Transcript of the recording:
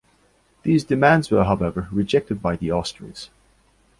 These demands were, however, rejected by the Austrians.